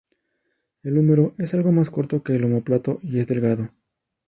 El húmero es algo más corto que el omóplato y es delgado.